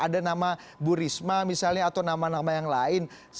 ada nama bu risma misalnya atau nama nama yang lain